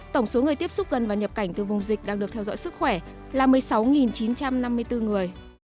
tổng số người tiếp xúc gần và nhập cảnh từ vùng dịch đang được theo dõi sức khỏe là một mươi sáu chín trăm năm mươi bốn người